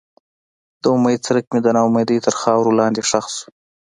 د امید څرک مې د ناامیدۍ تر خاورو لاندې ښخ شو.